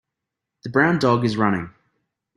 The brown dog is running.